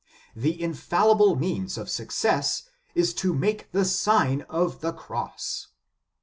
The infallible means of success is to make the Sign of the Cross."!